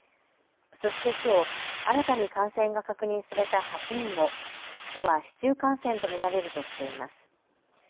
そしてきょう新たに感染が確認された８人も都は市中感染と見られるとしています。